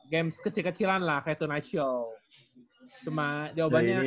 game kesi kecilan lah kayak the night show cuma jawabannya